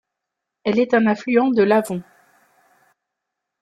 Elle est un affluent de l'Avon.